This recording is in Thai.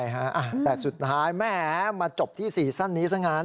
ใช่ครับแต่สุดท้ายแม่มาจบที่ซีซันนี้ซะงั้น